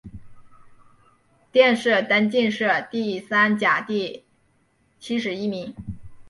殿试登进士第三甲第七十一名。